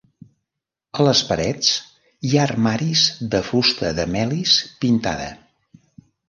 A les parets hi ha armaris de fusta de melis pintada.